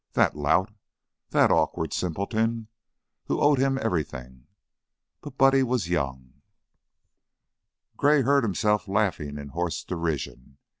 That lout; that awkward simpleton, who owed him everything! But Buddy was young! Gray heard himself laughing in hoarse derision.